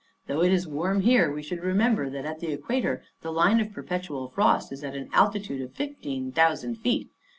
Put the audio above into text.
Though it is warm here, we should remember that at the equator the line of perpetual frost is at an altitude of fifteen thousand feet.